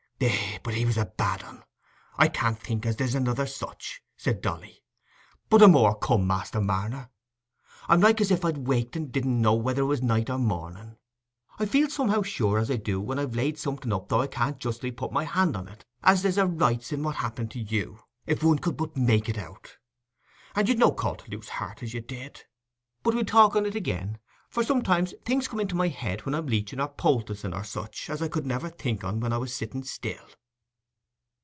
"Eh, but he was a bad un—I can't think as there's another such," said Dolly. "But I'm o'ercome, Master Marner; I'm like as if I'd waked and didn't know whether it was night or morning. I feel somehow as sure as I do when I've laid something up though I can't justly put my hand on it, as there was a rights in what happened to you, if one could but make it out; and you'd no call to lose heart as you did. But we'll talk on it again; for sometimes things come into my head when I'm leeching or poulticing, or such, as I could never think on when I was sitting still."